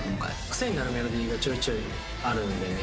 癖になるメロディーがちょいちょいあるんでね。